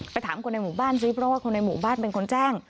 ถามคนในหมู่บ้านซิเพราะว่าคนในหมู่บ้านเป็นคนแจ้ง